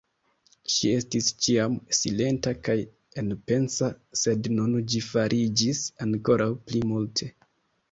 Ŝi estis ĉiam silenta kaj enpensa, sed nun ĝi fariĝis ankoraŭ pli multe.